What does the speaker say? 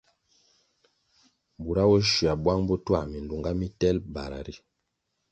Bura bo shywia bwang bo twā milunga mitelʼ bara ri,